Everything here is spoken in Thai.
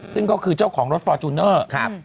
ซึ่งก็คือเจ้าของรถฟอร์จูเนอร์